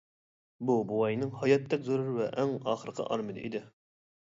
بۇ بوۋاينىڭ ھاياتتەك زۆرۈر ۋە ئەڭ ئاخىرقى ئارمىنى ئىدى.